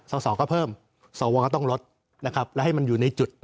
สอสอก็เพิ่มสวก็ต้องลดนะครับแล้วให้มันอยู่ในจุด